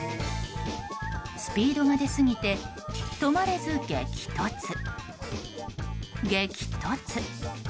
スピードが出すぎて止まれず激突、激突。